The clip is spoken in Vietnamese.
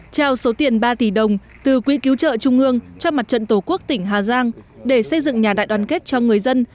trao số tiền ba tỷ đồng từ quỹ cứu trợ trung ương cho mặt trận tổ quốc tỉnh hà giang để xây dựng nhà đại đoàn kết cho người dân